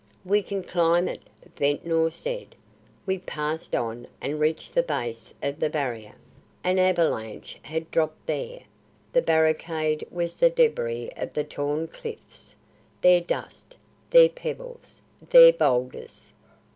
"We can climb it," Ventnor said. We passed on and reached the base of the barrier. An avalanche had dropped there; the barricade was the debris of the torn cliffs, their dust, their pebbles, their boulders.